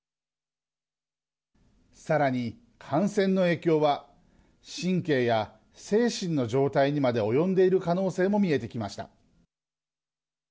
さらに感染の影響は神経や精神の状態にまで及んでいる可能性も見えてきました。